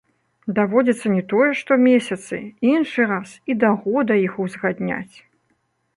Даводзіцца не тое што месяцы, іншы раз і да года іх узгадняць.